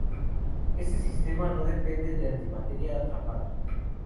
Este sistema no depende de antimateria atrapada.